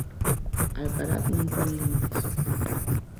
Alcaraz non pon límites.